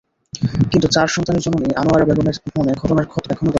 কিন্তু চার সন্তানের জননী আনোয়ারা বেগমের মনে ঘটনার ক্ষত এখনো দগদগে।